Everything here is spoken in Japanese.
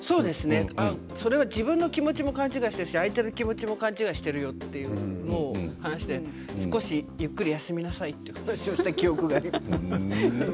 自分の気持ちも勘違いしているし相手の気持ちも勘違いしているよと話して少しゆっくり休みなさいとそう言った記憶があります。